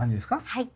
はい。